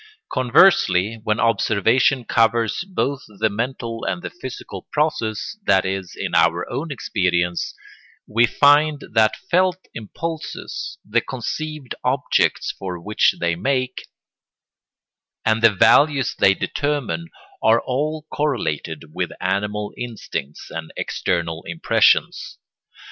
Conversely, when observation covers both the mental and the physical process, that is, in our own experience, we find that felt impulses, the conceived objects for which they make, and the values they determine are all correlated with animal instincts and external impressions.